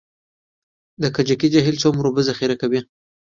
د کجکي جهیل څومره اوبه ذخیره کوي؟